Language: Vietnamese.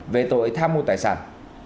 về tội tham mưu tài sản